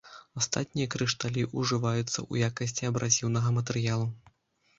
Астатнія крышталі ўжываюцца ў якасці абразіўнага матэрыялу.